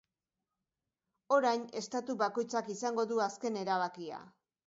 Orain, estatu bakoitzak izango du azken erabakia.